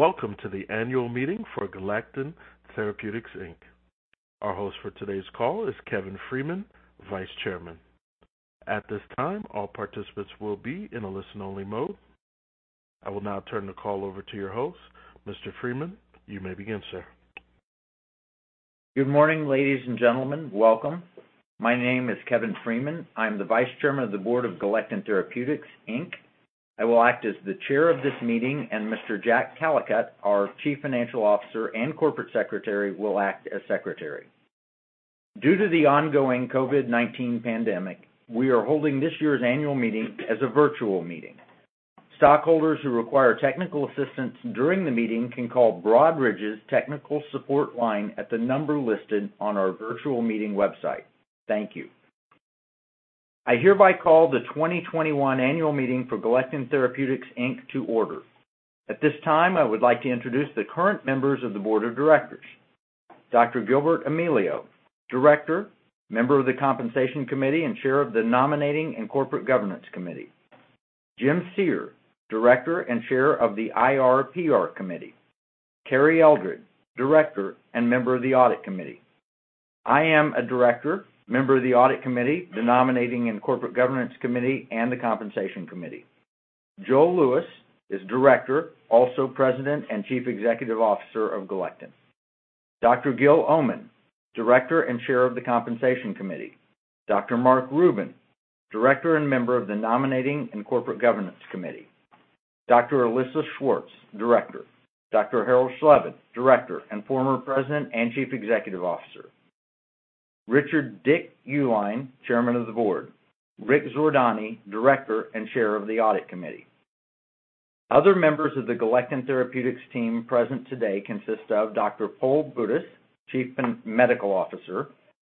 Welcome to the annual meeting for Galectin Therapeutics Inc. Our host for today's call is Kevin Freeman, Vice Chairman. At this time, all participants will be in a listen-only mode. I will now turn the call over to your host. Mr. Freeman, you may begin, sir. Good morning, ladies and gentlemen. Welcome. My name is Kevin Freeman. I'm the Vice Chairman of the Board of Galectin Therapeutics Inc. I will act as the chair of this meeting, and Mr. Jack Callicutt, our Chief Financial Officer and Corporate Secretary, will act as secretary. Due to the ongoing COVID-19 pandemic, we are holding this year's annual meeting as a virtual meeting. Stockholders who require technical assistance during the meeting can call Broadridge's technical support line at the number listed on our virtual meeting website. Thank you. I hereby call the 2021 annual meeting for Galectin Therapeutics Inc. to order. At this time, I would like to introduce the current members of the board of directors. Dr. Gilbert Amelio, director, member of the Compensation Committee and chair of the Nominating and Corporate Governance Committee. Jim Czirr, director and chair of the IR/PR Committee. Kary Eldred, Director and member of the Audit Committee. I am a Director, member of the Audit Committee, the Nominating and Corporate Governance Committee, and the Compensation Committee. Joel Lewis is Director, also President and Chief Executive Officer of Galectin Therapeutics. Dr. Gil Omenn, Director and Chair of the Compensation Committee. Dr. Marc Rubin, Director and member of the Nominating and Corporate Governance Committee. Dr. Elissa Schwartz, Director. Dr. Harold Shlevin, Director and former President and Chief Executive Officer. Richard "Dick" Uihlein, Chairman of the Board. Richard Zordani, Director and Chair of the Audit Committee. Other members of the Galectin Therapeutics team present today consist of Dr. Pol Boudes, Chief Medical Officer.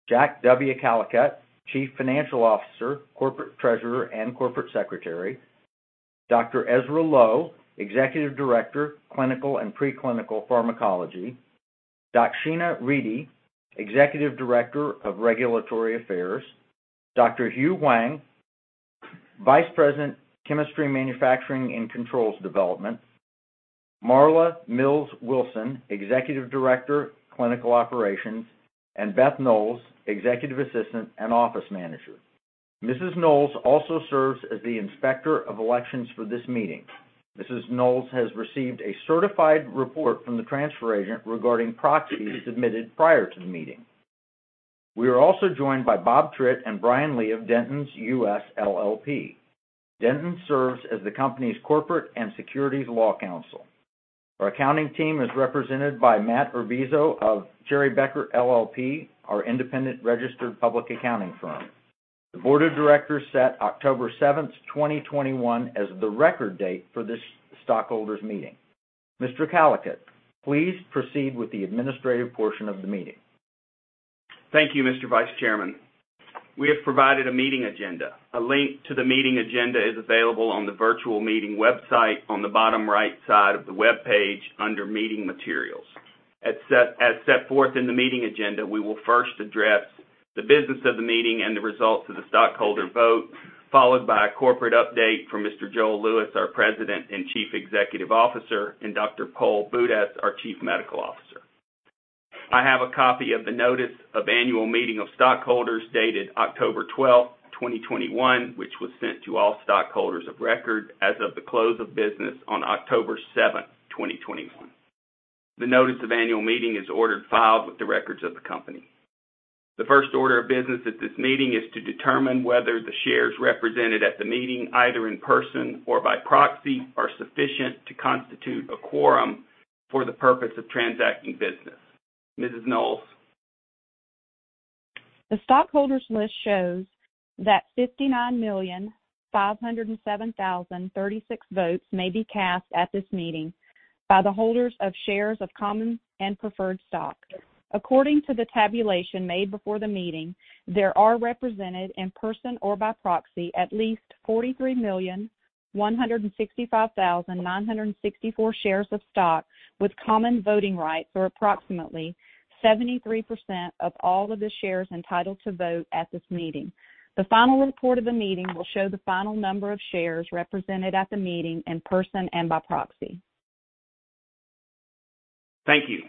Jack W. Callicutt, Chief Financial Officer, Corporate Treasurer, and Corporate Secretary. Dr. Ezra Lowe, Executive Director, Clinical and Preclinical Pharmacology. Dakshina Reddy, Executive Director of Regulatory Affairs. Dr. Hugh Huang, Vice President, Chemistry, Manufacturing, and Controls Development. Marla Mills-Wilson, Executive Director, Clinical Operations. Beth Knowles, Executive Assistant and Office Manager. Mrs. Knowles also serves as the inspector of elections for this meeting. Mrs. Knowles has received a certified report from the transfer agent regarding proxies submitted prior to the meeting. We are also joined by Bob Tritt and Brian Lee of Dentons U.S. LLP. Dentons serves as the company's corporate and securities law counsel. Our accounting team is represented by Matt Urbizo of Cherry Bekaert LLP, our independent registered public accounting firm. The Board of Directors set October 7, 2021, as the record date for this stockholders' meeting. Mr. Callicutt, please proceed with the administrative portion of the meeting. Thank you, Mr. Vice Chairman. We have provided a meeting agenda. A link to the meeting agenda is available on the virtual meeting website on the bottom right side of the webpage under Meeting Materials. As set forth in the meeting agenda, we will first address the business of the meeting and the results of the stockholder vote, followed by a corporate update from Mr. Joel Lewis, our President and Chief Executive Officer, and Dr. Pol Boudes, our Chief Medical Officer. I have a copy of the Notice of Annual Meeting of Stockholders dated October twelfth, twenty twenty-one, which was sent to all stockholders of record as of the close of business on October seventh, twenty twenty-one. The Notice of Annual Meeting is ordered filed with the records of the company. The first order of business at this meeting is to determine whether the shares represented at the meeting, either in person or by proxy, are sufficient to constitute a quorum for the purpose of transacting business. Mrs. Knowles. The stockholders' list shows that 59,507,036 votes may be cast at this meeting by the holders of shares of common and preferred stock. According to the tabulation made before the meeting, there are represented, in person or by proxy, at least 43,165,964 shares of stock with common voting rights, or approximately 73% of all of the shares entitled to vote at this meeting. The final report of the meeting will show the final number of shares represented at the meeting in person and by proxy. Thank you.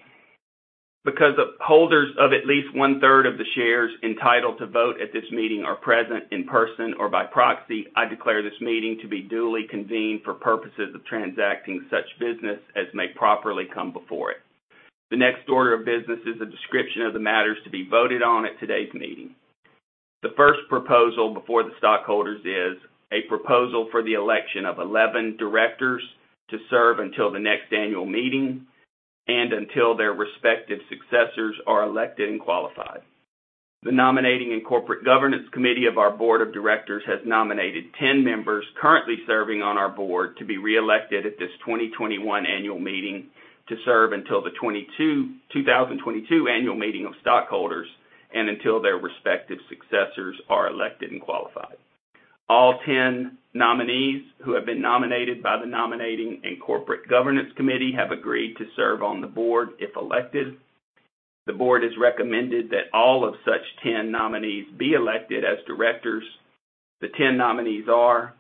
Because the holders of at least one-third of the shares entitled to vote at this meeting are present in person or by proxy, I declare this meeting to be duly convened for purposes of transacting such business as may properly come before it. The next order of business is a description of the matters to be voted on at today's meeting. The first proposal before the stockholders is a proposal for the election of 11 directors to serve until the next annual meeting and until their respective successors are elected and qualified. The Nominating and Corporate Governance Committee of our board of directors has nominated 10 members currently serving on our board to be reelected at this 2021 annual meeting to serve until the 2022 annual meeting of stockholders and until their respective successors are elected and qualified. All 10 nominees who have been nominated by the Nominating and Corporate Governance Committee have agreed to serve on the board if elected. The board has recommended that all of such 10 nominees be elected as directors. The 10 nominees are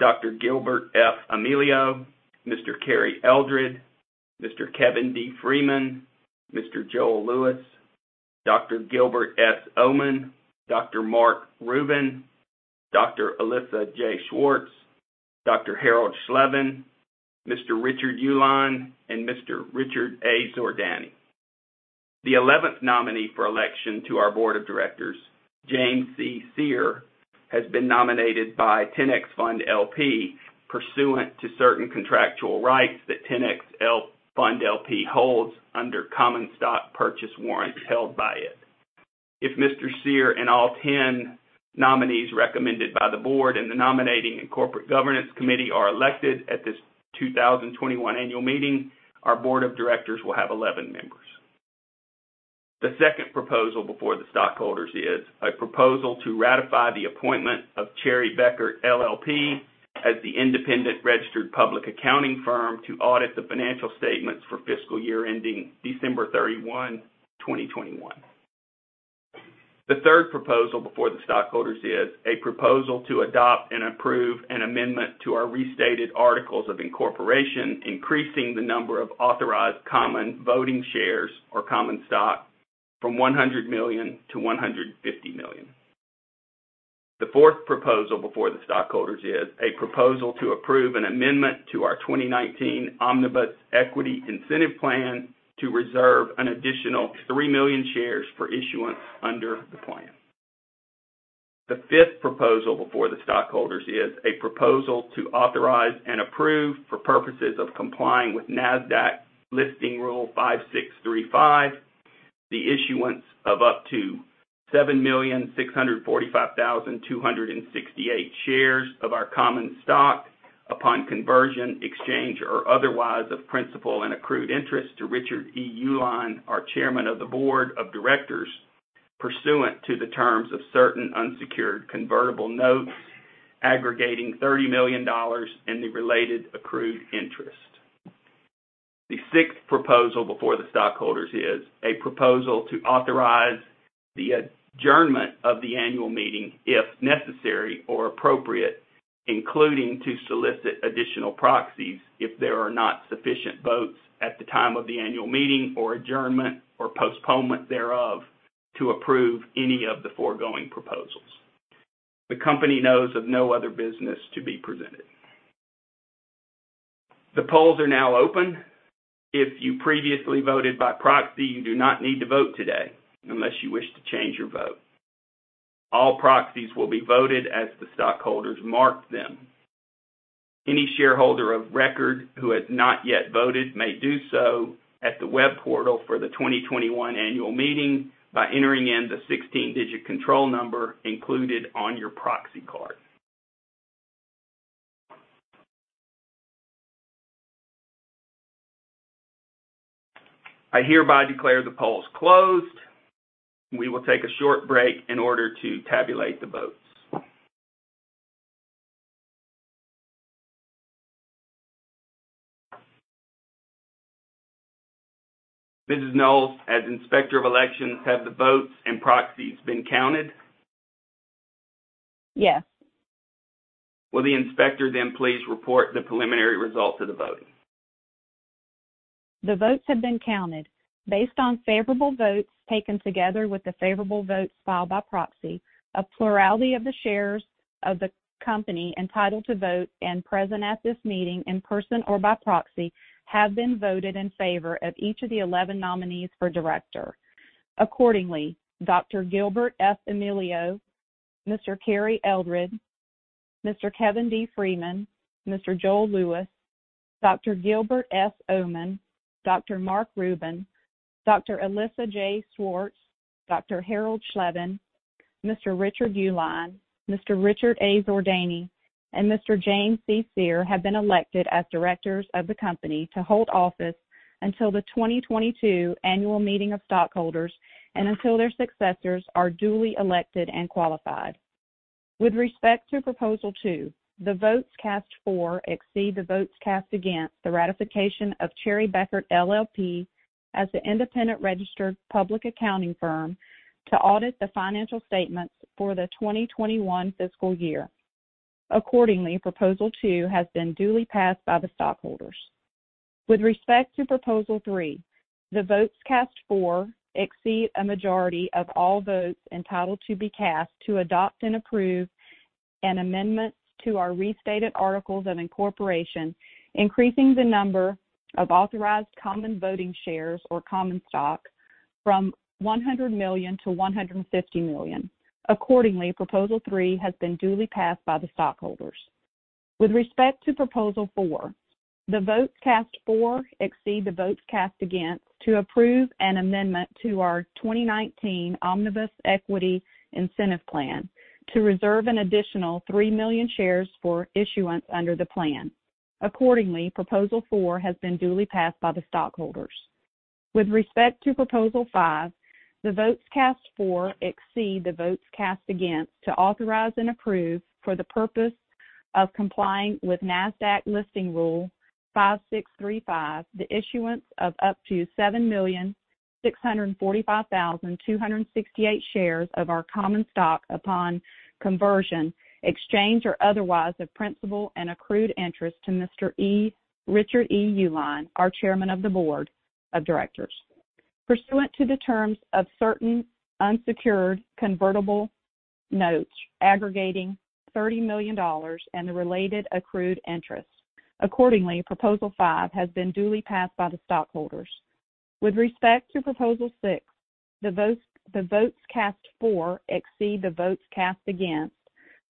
Dr. Gilbert F. Amelio, Mr. Kary Eldred, Mr. Kevin D. Freeman, Mr. Joel Lewis, Dr. Gilbert S. Omenn, Dr. Marc Rubin, Dr. Elissa J. Schwartz, Dr. Harold Shlevin, Mr. Richard E. Uihlein, and Mr. Richard Zordani. The eleventh nominee for election to our board of directors, James C. Czirr, has been nominated by 10X Fund L.P. pursuant to certain contractual rights that 10X Fund L.P. holds under common stock purchase warrants held by it. If Mr. Czirr and all 10 nominees recommended by the board and the nominating and corporate governance committee are elected at this 2021 annual meeting, our board of directors will have 11 members. The second proposal before the stockholders is a proposal to ratify the appointment of Cherry Bekaert LLP as the independent registered public accounting firm to audit the financial statements for fiscal year ending December 31, 2021. The third proposal before the stockholders is a proposal to adopt and approve an amendment to our restated articles of incorporation, increasing the number of authorized common voting shares or common stock from 100 million to 150 million. The fourth proposal before the stockholders is a proposal to approve an amendment to our 2019 Omnibus Equity Incentive Plan to reserve an additional 3 million shares for issuance under the plan. The fifth proposal before the stockholders is a proposal to authorize and approve, for purposes of complying with Nasdaq Listing Rule 5635, the issuance of up to 7,645,268 shares of our common stock upon conversion, exchange, or otherwise of principal and accrued interest to Richard E. Uihlein, our Chairman of the Board of Directors, pursuant to the terms of certain unsecured convertible notes aggregating $30 million in the related accrued interest. The sixth proposal before the stockholders is a proposal to authorize the adjournment of the annual meeting, if necessary or appropriate, including to solicit additional proxies if there are not sufficient votes at the time of the annual meeting or adjournment or postponement thereof to approve any of the foregoing proposals. The company knows of no other business to be presented. The polls are now open. If you previously voted by proxy, you do not need to vote today unless you wish to change your vote. All proxies will be voted as the stockholders mark them. Any shareholder of record who has not yet voted may do so at the web portal for the 2021 annual meeting by entering in the 16-digit control number included on your proxy card. I hereby declare the polls closed. We will take a short break in order to tabulate the votes. Mrs. Knowles, as Inspector of Elections, have the votes and proxies been counted? Yes. Will the inspector then please report the preliminary results of the voting? The votes have been counted. Based on favorable votes taken together with the favorable votes filed by proxy, a plurality of the shares of the company entitled to vote and present at this meeting in person or by proxy have been voted in favor of each of the eleven nominees for director. Accordingly, Dr. Gilbert F. Amelio, Mr. Kary Eldred, Mr. Kevin D. Freeman, Mr. Joel Lewis, Dr. Gilbert S. Omenn, Dr. Marc Rubin, Dr. Elissa J. Schwartz, Dr. Harold Shlevin, Mr. Richard Uihlein, Mr. Richard Zordani, and Mr. James C. Czirr have been elected as directors of the company to hold office until the 2022 annual meeting of stockholders and until their successors are duly elected and qualified. With respect to proposal 2, the votes cast for exceed the votes cast against the ratification of Cherry Bekaert LLP as the independent registered public accounting firm to audit the financial statements for the 2021 fiscal year. Accordingly, proposal 2 has been duly passed by the stockholders. With respect to proposal 3, the votes cast for exceed a majority of all votes entitled to be cast to adopt and approve an amendment to our restated articles of incorporation, increasing the number of authorized common voting shares or common stock from 100 million to 150 million. Accordingly, proposal 3 has been duly passed by the stockholders. With respect to proposal 4, the votes cast for exceed the votes cast against to approve an amendment to our 2019 Omnibus Equity Incentive Plan to reserve an additional 3 million shares for issuance under the plan. Accordingly, proposal four has been duly passed by the stockholders. With respect to proposal five, the votes cast for exceed the votes cast against to authorize and approve for the purpose of complying with Nasdaq Listing Rule 5635, the issuance of up to 7,645,268 shares of our common stock upon conversion, exchange or otherwise of principal and accrued interest to Richard E. Uihlein, our Chairman of the Board of Directors, pursuant to the terms of certain unsecured convertible notes aggregating $30 million and the related accrued interest. Accordingly, proposal five has been duly passed by the stockholders. With respect to proposal six, the votes cast for exceed the votes cast against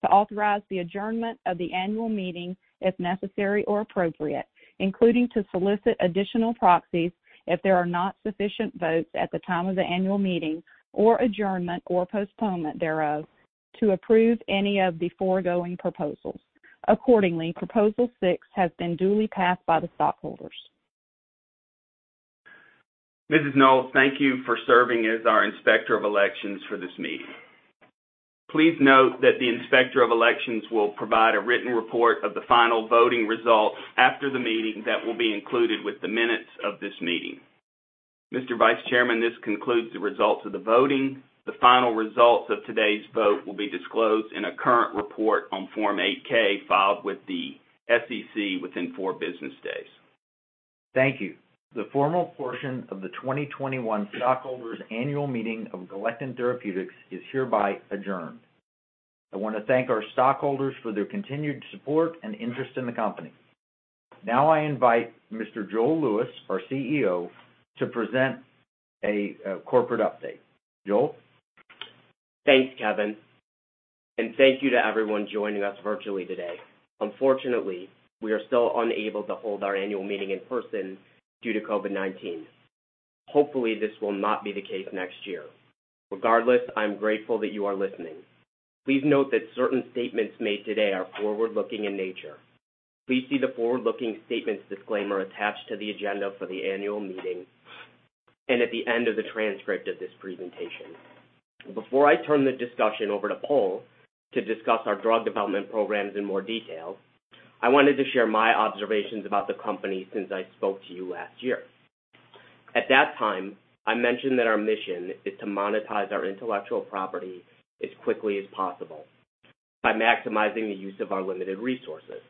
to authorize the adjournment of the annual meeting, if necessary or appropriate, including to solicit additional proxies if there are not sufficient votes at the time of the annual meeting or adjournment, or postponement thereof, to approve any of the foregoing proposals. Accordingly, proposal six has been duly passed by the stockholders. Mrs. Knowles, thank you for serving as our Inspector of Elections for this meeting. Please note that the Inspector of Elections will provide a written report of the final voting results after the meeting that will be included with the minutes of this meeting. Mr. Vice Chairman, this concludes the results of the voting. The final results of today's vote will be disclosed in a current report on Form 8-K filed with the SEC within four business days. Thank you. The formal portion of the 2021 Stockholders Annual Meeting of Galectin Therapeutics is hereby adjourned. I want to thank our stockholders for their continued support and interest in the company. Now, I invite Mr. Joel Lewis, our CEO, to present a corporate update. Joel. Thanks, Kevin, and thank you to everyone joining us virtually today. Unfortunately, we are still unable to hold our annual meeting in person due to COVID-19. Hopefully, this will not be the case next year. Regardless, I'm grateful that you are listening. Please note that certain statements made today are forward-looking in nature. Please see the forward-looking statements disclaimer attached to the agenda for the annual meeting and at the end of the transcript of this presentation. Before I turn the discussion over to Pol to discuss our drug development programs in more detail, I wanted to share my observations about the company since I spoke to you last year. At that time, I mentioned that our mission is to monetize our intellectual property as quickly as possible by maximizing the use of our limited resources.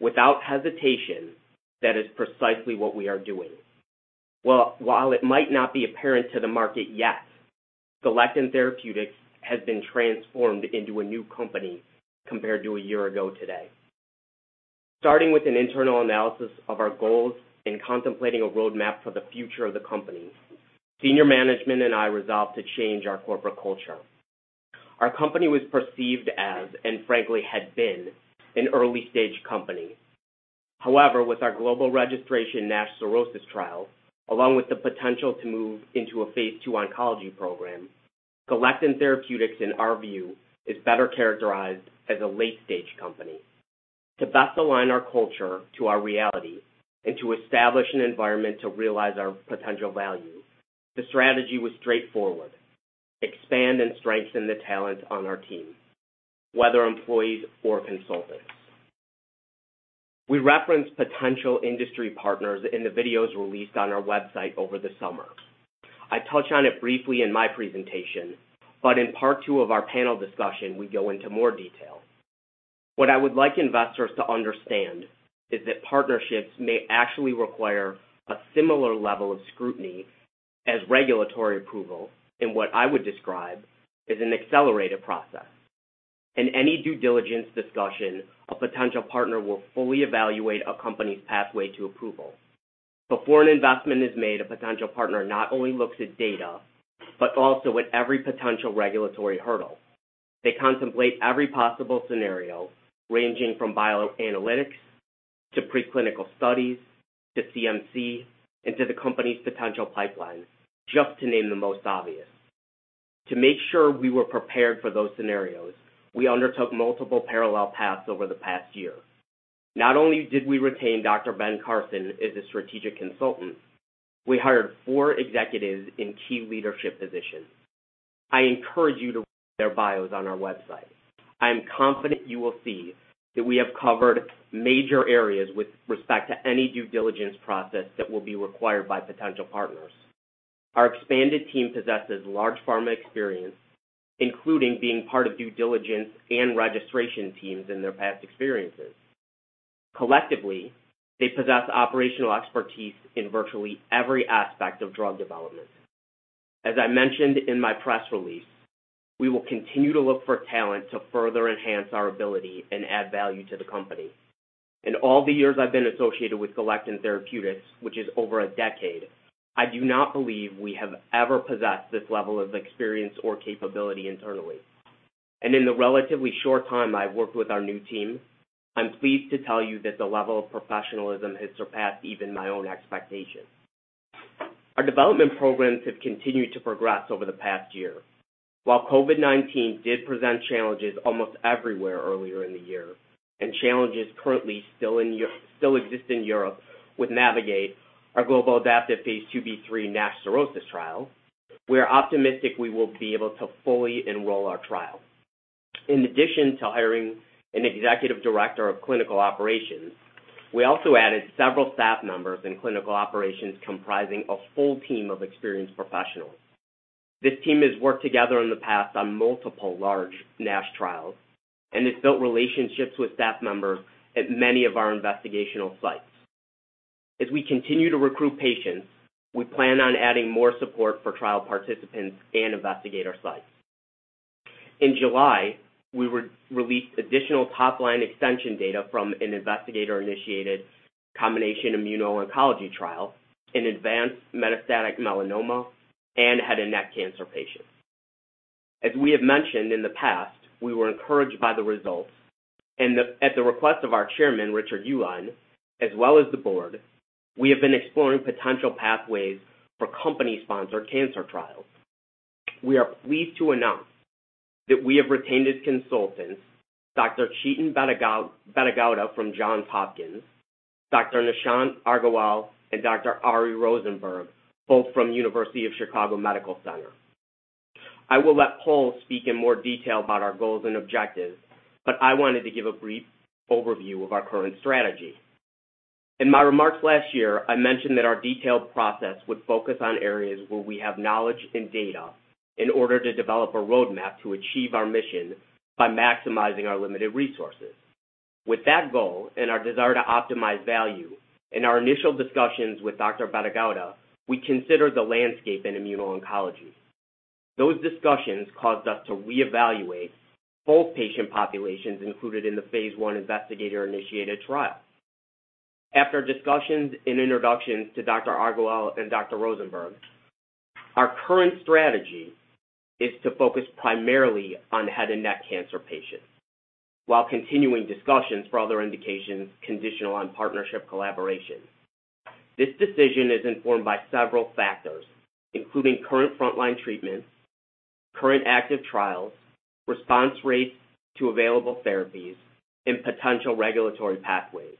Without hesitation, that is precisely what we are doing. Well, while it might not be apparent to the market yet, Galectin Therapeutics has been transformed into a new company compared to a year ago today. Starting with an internal analysis of our goals in contemplating a roadmap for the future of the company, senior management and I resolved to change our corporate culture. Our company was perceived as, and frankly, had been an early-stage company. However, with our global registration NASH cirrhosis trial, along with the potential to move into a phase II oncology program, Galectin Therapeutics, in our view, is better characterized as a late-stage company. To best align our culture to our reality and to establish an environment to realize our potential value, the strategy was straightforward. Expand and strengthen the talent on our team, whether employees or consultants. We referenced potential industry partners in the videos released on our website over the summer. I touch on it briefly in my presentation, but in part two of our panel discussion, we go into more detail. What I would like investors to understand is that partnerships may actually require a similar level of scrutiny as regulatory approval in what I would describe as an accelerated process. In any due diligence discussion, a potential partner will fully evaluate a company's pathway to approval. Before an investment is made, a potential partner not only looks at data, but also at every potential regulatory hurdle. They contemplate every possible scenario, ranging from bioanalytics to preclinical studies to CMC, and to the company's potential pipeline, just to name the most obvious. To make sure we were prepared for those scenarios, we undertook multiple parallel paths over the past year. Not only did we retain Dr. Ben Carson as a strategic consultant, we hired four executives in key leadership positions. I encourage you to read their bios on our website. I am confident you will see that we have covered major areas with respect to any due diligence process that will be required by potential partners. Our expanded team possesses large pharma experience, including being part of due diligence and registration teams in their past experiences. Collectively, they possess operational expertise in virtually every aspect of drug development. As I mentioned in my press release, we will continue to look for talent to further enhance our ability and add value to the company. In all the years I've been associated with Galectin Therapeutics, which is over a decade, I do not believe we have ever possessed this level of experience or capability internally. In the relatively short time I've worked with our new team, I'm pleased to tell you that the level of professionalism has surpassed even my own expectations. Our development programs have continued to progress over the past year. While COVID-19 did present challenges almost everywhere earlier in the year and challenges currently still exist in Europe with NAVIGATE our global adaptive phase IIb/III NASH cirrhosis trial, we are optimistic we will be able to fully enroll our trial. In addition to hiring an executive director of clinical operations, we also added several staff members in clinical operations comprising a full team of experienced professionals. This team has worked together in the past on multiple large NASH trials and has built relationships with staff members at many of our investigational sites. As we continue to recruit patients, we plan on adding more support for trial participants and investigator sites. In July, we released additional top-line extension data from an investigator-initiated combination immuno-oncology trial in advanced metastatic melanoma and head and neck cancer patients. As we have mentioned in the past, we were encouraged by the results, and at the request of our chairman, Richard Uihlein, as well as the board, we have been exploring potential pathways for company-sponsored cancer trials. We are pleased to announce that we have retained as consultants Dr. Chetan Bettegowda from Johns Hopkins, Dr. Nishant Agrawal and Dr. Ari Rosenberg, both from University of Chicago Medical Center. I will let Pol speak in more detail about our goals and objectives, but I wanted to give a brief overview of our current strategy. In my remarks last year, I mentioned that our detailed process would focus on areas where we have knowledge and data in order to develop a roadmap to achieve our mission by maximizing our limited resources. With that goal and our desire to optimize value, in our initial discussions with Dr. Bettegowda, we considered the landscape in immuno-oncology. Those discussions caused us to reevaluate both patient populations included in the phase I investigator-initiated trial. After discussions and introductions to Dr. Agrawal and Dr. Rosenberg, our current strategy is to focus primarily on head and neck cancer patients while continuing discussions for other indications conditional on partnership collaboration. This decision is informed by several factors, including current frontline treatments, current active trials, response rates to available therapies, and potential regulatory pathways.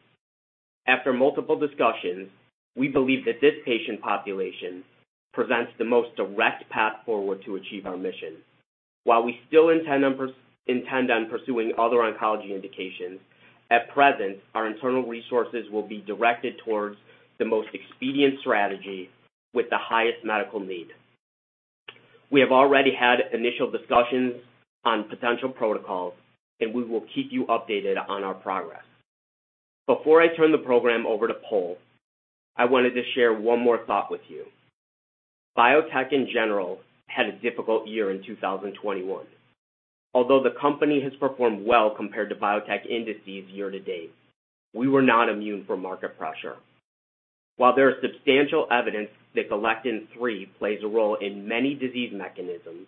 After multiple discussions, we believe that this patient population presents the most direct path forward to achieve our mission. While we still intend on pursuing other oncology indications, at present, our internal resources will be directed towards the most expedient strategy with the highest medical need. We have already had initial discussions on potential protocols, and we will keep you updated on our progress. Before I turn the program over to Pol, I wanted to share one more thought with you. Biotech in general had a difficult year in 2021. Although the company has performed well compared to biotech indices year to date, we were not immune from market pressure. While there is substantial evidence that Galectin-3 plays a role in many disease mechanisms,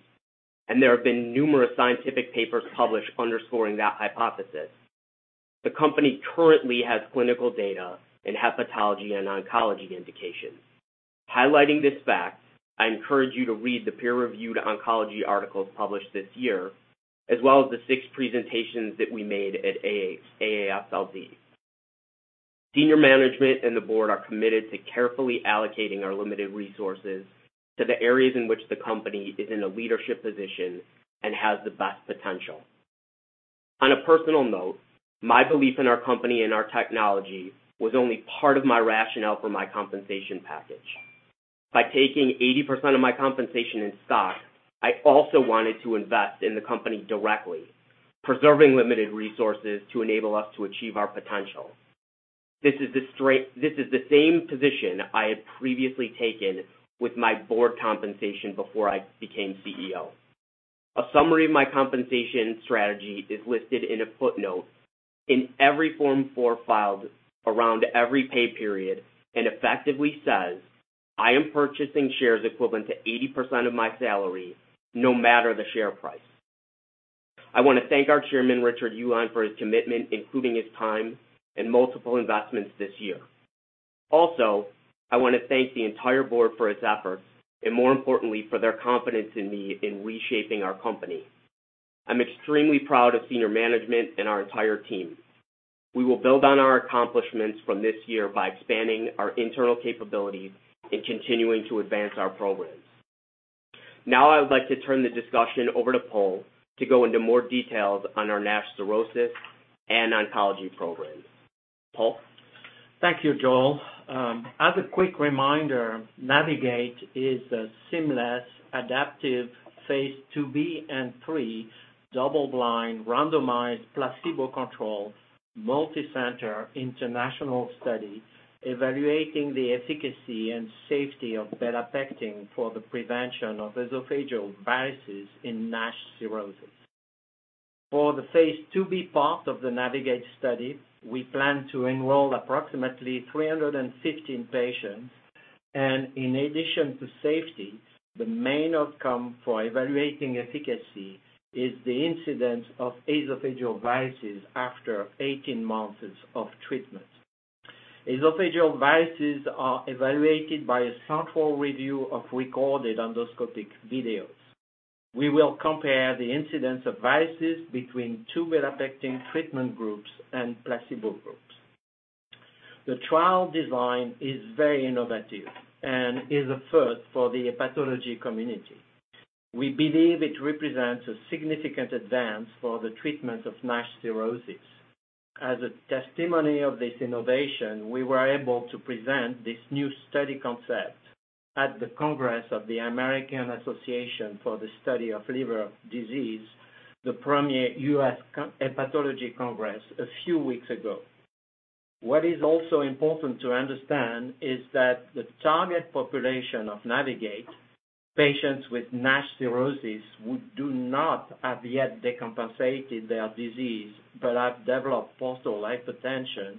and there have been numerous scientific papers published underscoring that hypothesis, the company currently has clinical data in hepatology and oncology indications. Highlighting this fact, I encourage you to read the peer-reviewed oncology articles published this year, as well as the six presentations that we made at AASLD. Senior management and the board are committed to carefully allocating our limited resources to the areas in which the company is in a leadership position and has the best potential. On a personal note, my belief in our company and our technology was only part of my rationale for my compensation package. By taking 80% of my compensation in stock, I also wanted to invest in the company directly, preserving limited resources to enable us to achieve our potential. This is the same position I had previously taken with my board compensation before I became CEO. A summary of my compensation strategy is listed in a footnote in every Form 4 filed around every pay period and effectively says, "I am purchasing shares equivalent to 80% of my salary, no matter the share price." I want to thank our chairman, Richard Uihlein, for his commitment, including his time and multiple investments this year. Also, I want to thank the entire board for its efforts and, more importantly, for their confidence in me in reshaping our company. I'm extremely proud of senior management and our entire team. We will build on our accomplishments from this year by expanding our internal capabilities and continuing to advance our programs. Now I would like to turn the discussion over to Pol to go into more details on our NASH cirrhosis and oncology programs. Pol? Thank you, Joel. As a quick reminder, NAVIGATE is a seamless, adaptive phase IIb and III double-blind, randomized, placebo-controlled, multicenter international study evaluating the efficacy and safety of belapectin for the prevention of esophageal varices in NASH cirrhosis. For the phase IIb part of the NAVIGATE study, we plan to enroll approximately 315 patients. In addition to safety, the main outcome for evaluating efficacy is the incidence of esophageal varices after 18 months of treatment. Esophageal varices are evaluated by a central review of recorded endoscopic videos. We will compare the incidence of varices between two belapectin treatment groups and placebo groups. The trial design is very innovative and is a first for the hepatology community. We believe it represents a significant advance for the treatment of NASH cirrhosis. As a testimony of this innovation, we were able to present this new study concept at the Congress of the American Association for the Study of Liver Diseases, the premier U.S. hepatology congress a few weeks ago. What is also important to understand is that the target population of NAVIGATE, patients with NASH cirrhosis who do not have yet decompensated their disease but have developed portal hypertension,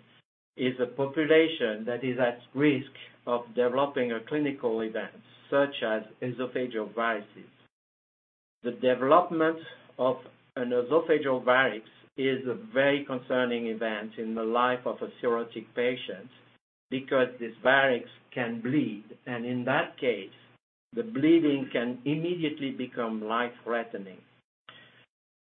is a population that is at risk of developing a clinical event such as esophageal varices. The development of an esophageal varices is a very concerning event in the life of a cirrhotic patient because these varices can bleed, and in that case, the bleeding can immediately become life-threatening.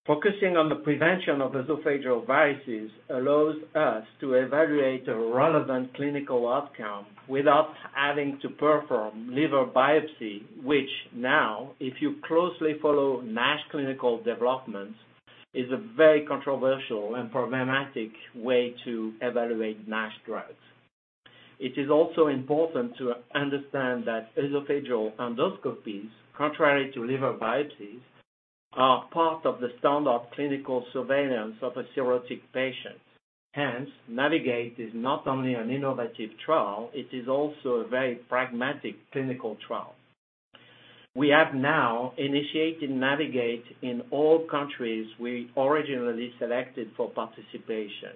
Focusing on the prevention of esophageal varices allows us to evaluate a relevant clinical outcome without having to perform liver biopsy, which now, if you closely follow NASH clinical developments, is a very controversial and problematic way to evaluate NASH drugs. It is also important to understand that esophageal endoscopies, contrary to liver biopsies, are part of the standard clinical surveillance of a cirrhotic patient. Hence, NAVIGATE is not only an innovative trial, it is also a very pragmatic clinical trial. We have now initiated NAVIGATE in all countries we originally selected for participation.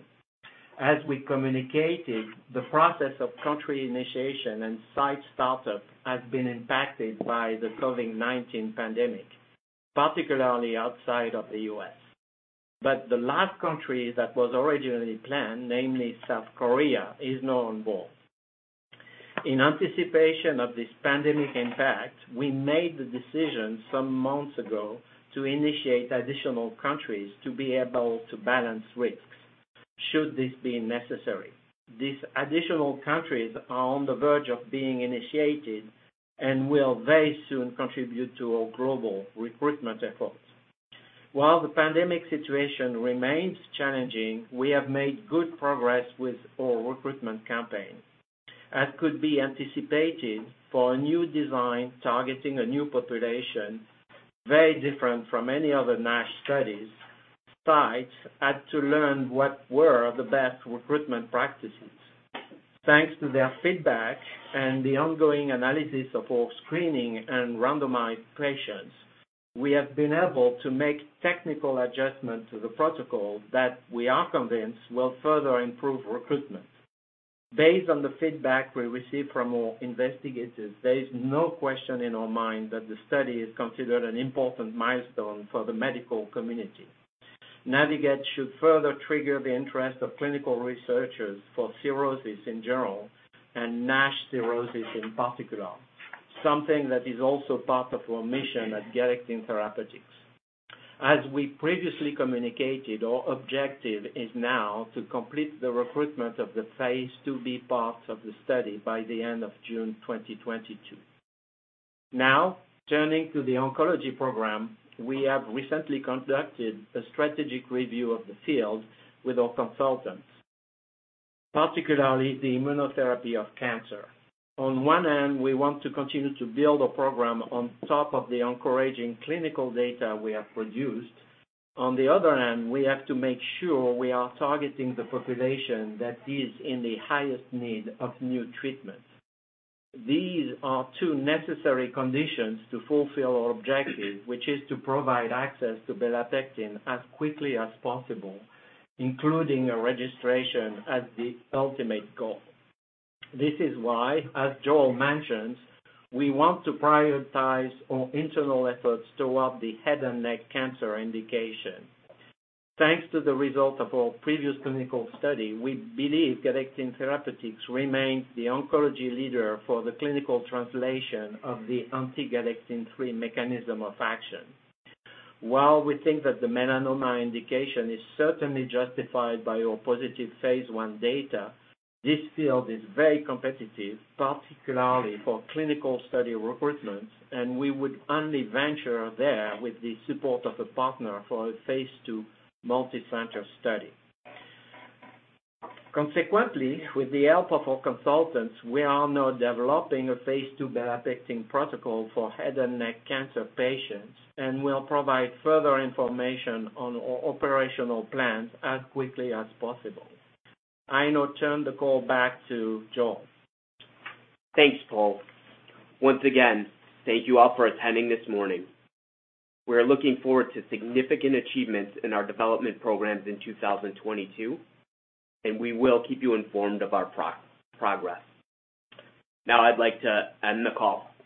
As we communicated, the process of country initiation and site startup has been impacted by the COVID-19 pandemic, particularly outside of the U.S. The last country that was originally planned, namely South Korea, is now on board. In anticipation of this pandemic impact, we made the decision some months ago to initiate additional countries to be able to balance risks should this be necessary. These additional countries are on the verge of being initiated and will very soon contribute to our global recruitment efforts. While the pandemic situation remains challenging, we have made good progress with our recruitment campaign. As could be anticipated for a new design targeting a new population, very different from any other NASH studies, sites had to learn what were the best recruitment practices. Thanks to their feedback and the ongoing analysis of our screening and randomized patients, we have been able to make technical adjustments to the protocol that we are convinced will further improve recruitment. Based on the feedback we received from our investigators, there is no question in our mind that the study is considered an important milestone for the medical community. NAVIGATE should further trigger the interest of clinical researchers for cirrhosis in general and NASH cirrhosis in particular, something that is also part of our mission at Galectin Therapeutics. As we previously communicated, our objective is now to complete the recruitment of the phase IIb part of the study by the end of June 2022. Now, turning to the oncology program. We have recently conducted a strategic review of the field with our consultants, particularly the immunotherapy of cancer. On one end, we want to continue to build a program on top of the encouraging clinical data we have produced. On the other end, we have to make sure we are targeting the population that is in the highest need of new treatments. These are two necessary conditions to fulfill our objective, which is to provide access to belapectin as quickly as possible, including a registration as the ultimate goal. This is why, as Joel mentioned, we want to prioritize our internal efforts towards the head and neck cancer indication. Thanks to the results of our previous clinical study, we believe Galectin Therapeutics remains the oncology leader for the clinical translation of the anti-Galectin-3 mechanism of action. While we think that the melanoma indication is certainly justified by our positive phase I data, this field is very competitive, particularly for clinical study recruitments, and we would only venture there with the support of a partner for a phase II multicenter study. Consequently, with the help of our consultants, we are now developing a phase II belapectin protocol for head and neck cancer patients and will provide further information on our operational plans as quickly as possible. I now turn the call back to Joel. Thanks, Pol. Once again, thank you all for attending this morning. We are looking forward to significant achievements in our development programs in 2022, and we will keep you informed of our progress. Now, I'd like to end the call.